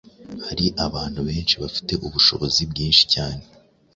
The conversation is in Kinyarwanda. Hari abantu benshi bafite ubushobozi bwinshi cyane